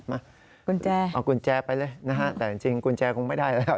มาเอากุญแจไปเลยนะครับแต่จริงกุญแจคงไม่ได้แล้วครับ